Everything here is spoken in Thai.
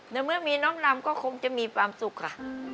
ในเมื่อมีน้องลำก็คงจะมีความสุขค่ะ